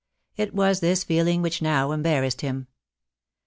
It was this feeling which now embarrassed him.